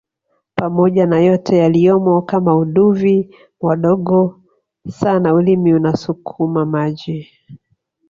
pamoja na yote yaliyomo kama uduvi wadogo sana ulimi unasukuma maji